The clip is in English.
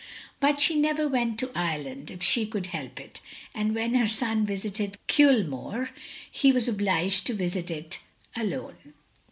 But she never went to Ireland if she could help it; and when her son visited Cuilmore, he was obliged to visit it alone.